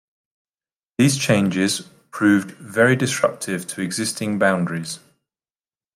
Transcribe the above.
These changes proved very disruptive to existing boundaries.